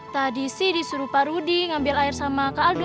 tadi sih disuruh pak rudi ngambil air sama kaldu